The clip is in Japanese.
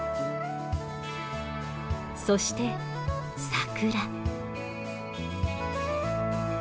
そして桜。